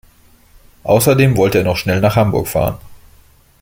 Außerdem wollte er noch schnell nach Hamburg fahren